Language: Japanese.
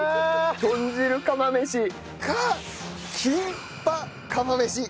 豚汁釜飯かキンパ釜飯。